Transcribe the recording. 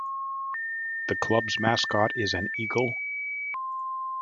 The club's mascot is an eagle.